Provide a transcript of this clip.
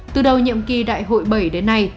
từ đầu nhiệm kỳ đại hội bảy đến nay